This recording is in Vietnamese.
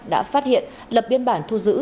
đã phát hiện lập biên bản thu giữ